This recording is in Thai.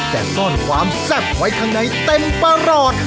แต่ซ่อนความแซ่บไว้ข้างในเต็มประหลอด